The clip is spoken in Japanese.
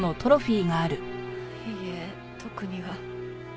いいえ特には。